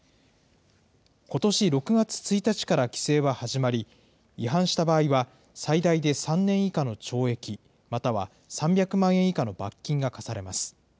ことし６月１日から規制は始まり、違反した場合は、最大で３年以下の懲役または３００万円以下の罰金が科されます。